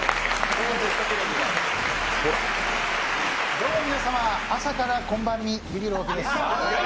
どうも皆様、朝からこんばんみ、ビビる大木です。